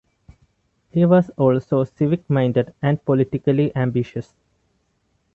He was also civic-minded and politically ambitious.